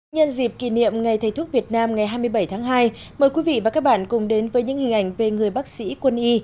nhân dịp kỷ niệm ngày thầy thuốc việt nam ngày hai mươi bảy tháng hai mời quý vị và các bạn cùng đến với những hình ảnh về người bác sĩ quân y